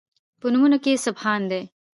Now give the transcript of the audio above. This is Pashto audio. په نومونو کې سبحان دی